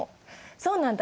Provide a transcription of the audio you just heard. そうなんだ。